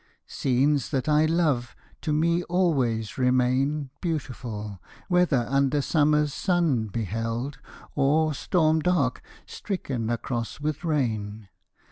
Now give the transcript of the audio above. Scenes that I love to me always remain Beautiful, whether under summer's sun Beheld, or, storm dark, stricken across with rain.